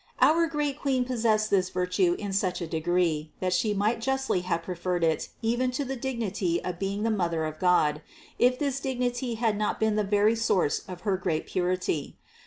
Our great Queen possessed this virtue in such a degree that She might justly have preferred it even to the dignity of being the Mother of God, if this dignity had not been the very source of her great purity.